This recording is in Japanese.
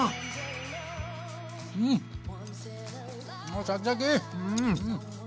あシャキシャキ！